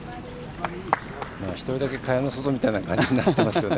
１人だけ蚊帳の外みたいな感じになってますよね。